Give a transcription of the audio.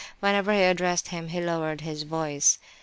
Whenever he addressed him he lowered his voice.